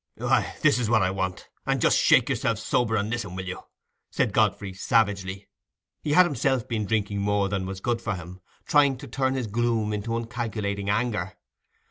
"Why, this is what I want—and just shake yourself sober and listen, will you?" said Godfrey, savagely. He had himself been drinking more than was good for him, trying to turn his gloom into uncalculating anger.